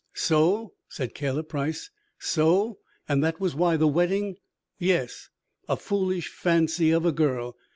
"So!" said Caleb Price. "So! And that was why the wedding " "Yes! A foolish fancy of a girl.